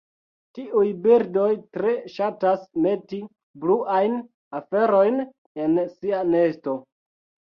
Tiuj birdoj tre ŝatas meti bluajn aferojn en sia nesto.